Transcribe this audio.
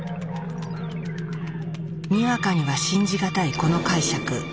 にわかには信じがたいこの解釈。